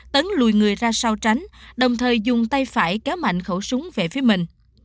tấn lùi người ra sao tránh đồng thời dùng tay phải kéo mạnh khẩu súng về phía mình